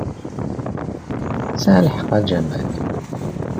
Yesɛa lḥeqq a Jamal.